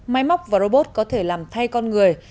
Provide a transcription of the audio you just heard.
máy móc và robot có thể làm thay con người